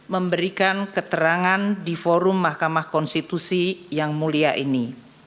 memberikan keterangan di forum mahkamah konstitusi yang mulia ini